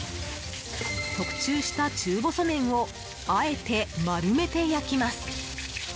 特注した中細麺をあえて丸めて、焼きます。